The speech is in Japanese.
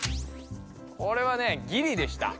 これはねギリでした。